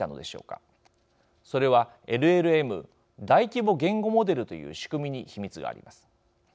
それはＬＬＭ大規模言語モデルという仕組みに秘密があります。